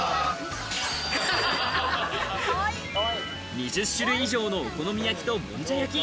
２０種類以上のお好み焼きと、もんじゃ焼き。